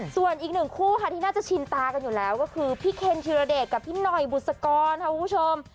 ส่วนอีกหนึ่งคู่ค่ะที่น่าจะชินตากันอยู่แล้วก็คือพี่เคนธิรเดชกับพี่หน่อยบุษกรค่ะคุณผู้ชม